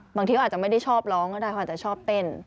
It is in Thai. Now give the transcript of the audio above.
บางทีก็อาจจะไม่ได้ชอบร้องก็ได้เขาอาจจะชอบเต้น